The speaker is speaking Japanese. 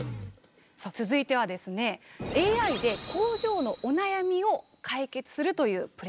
さあ続いてはですねＡＩで工場のお悩みを解決するというプレゼンです。